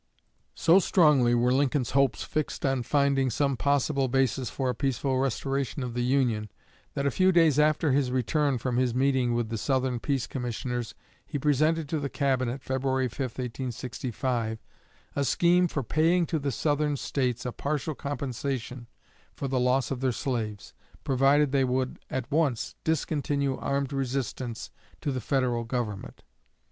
'" So strongly were Lincoln's hopes fixed on finding some possible basis for a peaceful restoration of the Union that a few days after his return from his meeting with the Southern Peace Commissioners he presented to the Cabinet (February 5, 1865) a scheme for paying to the Southern States a partial compensation for the loss of their slaves, provided they would at once discontinue armed resistance to the Federal Government.